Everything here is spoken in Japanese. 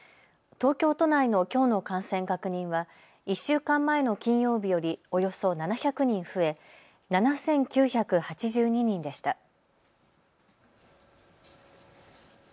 東京都内のきょうの感染確認は１週間前の金曜日よりおよそ７００人増え７９８２人でした。